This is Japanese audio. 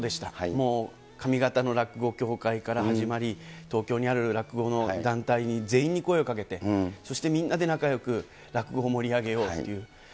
もう上方の落語協会から始まり、東京にある落語の団体に全員に声をかけて、そしてみんなで仲よく落語を盛り上げようという。